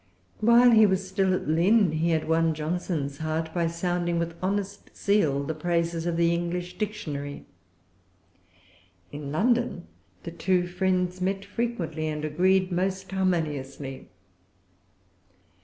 While he was still at Lynn, he had won Johnson's heart by sounding with honest zeal the praises of the English Dictionary. In London the two friends met frequently, and agreed most harmoniously.